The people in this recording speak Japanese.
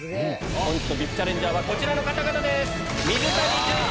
本日のＶＩＰチャレンジャーはこちらの方々です！